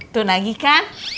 tuh nagih kan